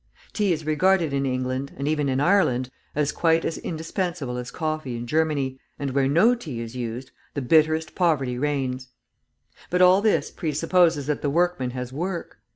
Tea is regarded in England, and even in Ireland, as quite as indispensable as coffee in Germany, and where no tea is used, the bitterest poverty reigns. But all this pre supposes that the workman has work.